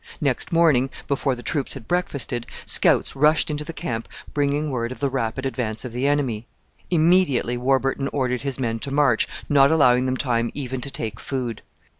Next morning, before the troops had breakfasted, scouts rushed into the camp bringing word of the rapid advance of the enemy. Immediately Warburton ordered his men to march, not allowing them time even to take food.